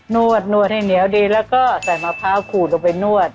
วดนวดให้เหนียวดีแล้วก็ใส่มะพร้าวขูดลงไปนวด